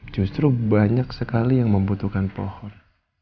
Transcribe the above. justru banyak sekali yang membutuhkan pohon